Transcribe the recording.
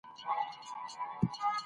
مزارشریف د افغانانو د معیشت سرچینه ده.